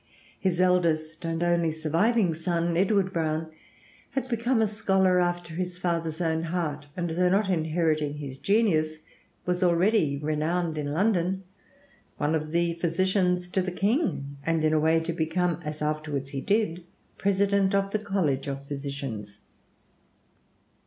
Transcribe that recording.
His eldest and only surviving son, Edward Browne, had become a scholar after his father's own heart; and though not inheriting his genius, was already renowned in London, one of the physicians to the King, and in a way to become, as afterward he did, President of the College of Physicians.